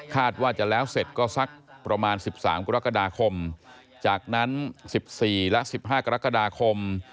คาดว่าจะแล้วเสร็จก็สักประมาณสิบสามกรกฎาคมจากนั้นสิบสี่และสิบห้ากรกฎาคม